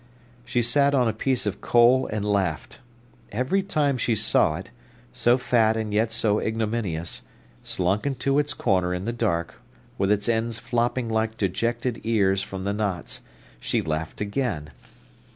She sat on a piece of coal and laughed. Every time she saw it, so fat and yet so ignominious, slunk into its corner in the dark, with its ends flopping like dejected ears from the knots, she laughed again.